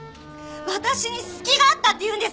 私に隙があったっていうんですか！？